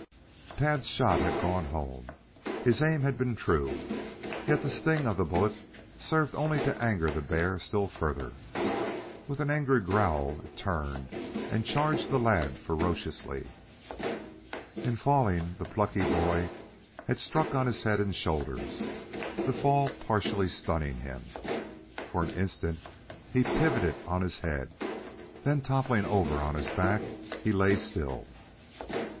Tad's shot had gone home. His aim had been true. Yet the sting of the bullet served only to anger the bear still further. With an angry growl, it turned and charged the lad ferociously. In falling, the plucky boy had struck on his head and shoulders, the fall partially stunning him. For an instant, he pivoted on his head, then toppling over on his back, he lay still.